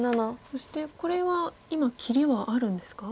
そしてこれは今切りはあるんですか？